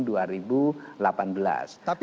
tetapi logika politiknya kang deddy